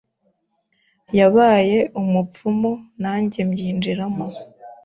yabaye umupfumu nanjye mbyinjiramo